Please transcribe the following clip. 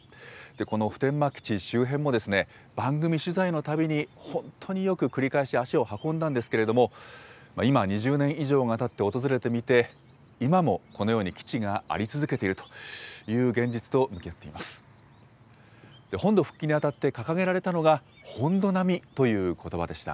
この普天間基地周辺も、番組取材のたびに、本当によく繰り返し足を運んだんですけれども、今、２０年以上がたって訪れてみて、今もこのように基地があり続けているという現実と向き合っています。